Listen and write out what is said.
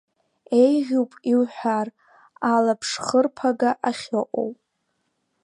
Еиӷьуп иуҳәар, алаԥшхырԥага ахьыҟоу.